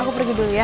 aku pergi dulu ya